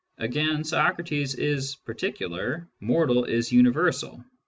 Again, Socrates is particular, " mortal " is universal.